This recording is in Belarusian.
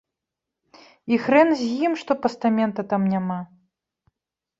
І хрэн з ім, што пастамента там няма.